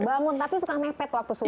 bangun tapi suka mepet waktu